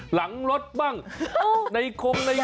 หลังรถบ้างในคงใน